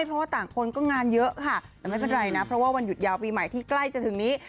เพราะว่าต่างคนก็งานเยอะค่ะแต่ไม่เป็นไรนะเพราะว่าวันหยุดยาวปีใหม่ที่ใกล้จะถึงนี้